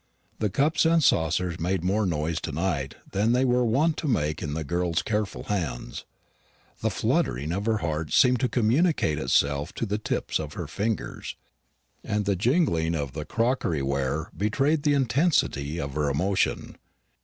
The cups and saucers made more noise to night than they were wont to make in the girl's careful hands. The fluttering of her heart seemed to communicate itself to the tips of her fingers, and the jingling of the crockery ware betrayed the intensity of her emotion.